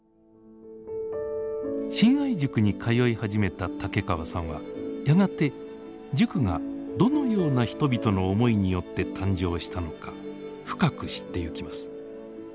親愛塾に通い始めた竹川さんはやがて塾がどのような人々の思いによって誕生したのか深く知ってゆきます。